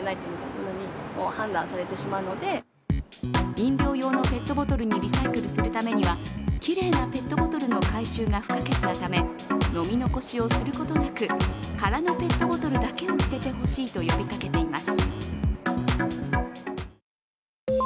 飲料用のペットボトルにリサイクルするためにはきれいなペットボトルの回収が不可欠なため飲み残しをすることなく空のペットボトルだけを捨ててほしいと呼びかけています。